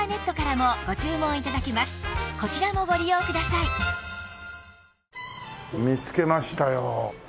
さらに見つけましたよ。